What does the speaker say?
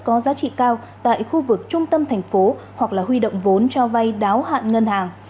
có giá trị cao tại khu vực trung tâm thành phố hoặc là huy động vốn cho vay đáo hạn ngân hàng